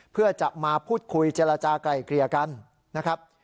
เพื่อจะมาพูดคุยเจรจากลายเกลี่ยกันนะครับ